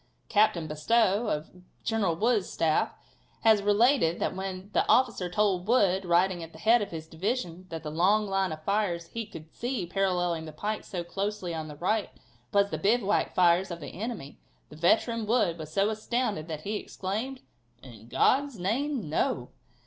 Captain Bestow, of General Wood's staff, has related that when the officer told Wood, riding at the head of his division, that the long line of fires he could see paralleling the pike so closely on the right was the bivouac fires of the enemy, the veteran Wood was so astounded that he exclaimed: "In God's name, no!"